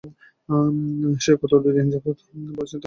সে গত দুই দিন বাড়িতে বলেছে তার সঙ্গে অশালীন আচরণের কথা।